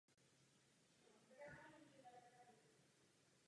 Bylo vydáno u firmy Black Hole.